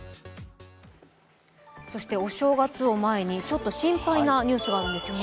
そしてお正月を前にちょっと心配なニュースがあるんですよね。